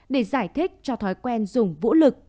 để giải thích cho thói quen dùng vũ lực